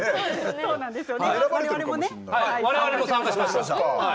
我々も参加しました。